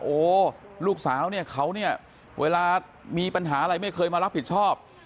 โอ้ลูกสาวเนี่ยเขาเนี่ยเวลามีปัญหาอะไรไม่เคยมารับผิดชอบ